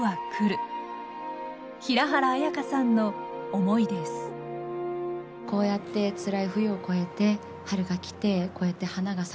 平原綾香さんの思いです「桜の花びら」